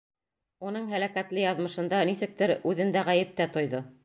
Уның һәләкәтле яҙмышында, нисектер, үҙендә ғәйеп тә тойҙо.